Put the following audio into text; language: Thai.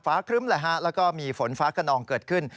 ครึ้มแล้วก็มีฝนฟ้าขนองเกิดขึ้น